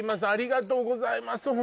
ありがとうございます